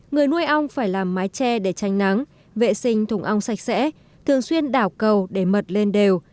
người nuôi ong phải làm mái tre để tranh nắng vệ sinh thùng ong sạch sẽ thường xuyên đảo cầu để mật lên đều